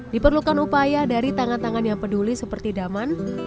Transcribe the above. diperlukan upaya dari tangan tangan yang peduli seperti daman